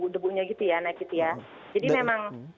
debunya gitu ya naik gitu ya jadi memang